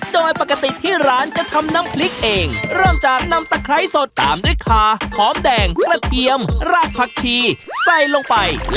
โดยปกติที่ร้านจะทำน้ำพริกเองเริ่มจากนำตะไคร้สดตามด้วยขาหอมแดงกระเทียมรากผักชีใส่ลงไป